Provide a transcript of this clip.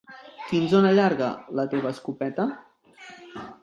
Fins on allarga, la teva escopeta?